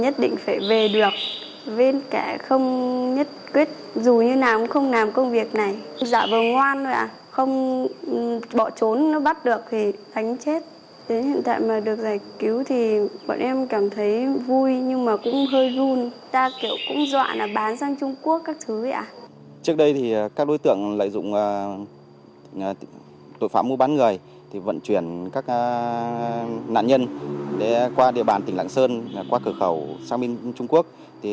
tội phạm mua bán người vận chuyển các nạn nhân qua địa bàn tỉnh lạng sơn qua cửa khẩu sang bên trung quốc